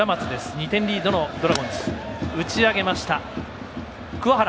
２点リードのドラゴンズ。